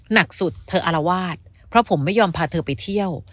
หนักสุดเธออารวาสเพราะผมไม่ยอมพาเธอไปเที่ยว